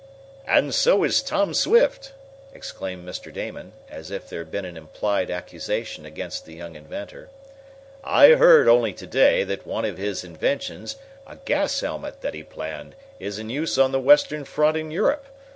"And so is Tom Swift!" exclaimed Mr. Damon, as if there had been an implied accusation against the young inventor. "I heard, only to day, that one of his inventions a gas helmet that he planned is in use on the Western front in Europe.